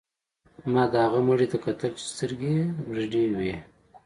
ما د هغه مړي ته کتل چې سترګې یې رډې وې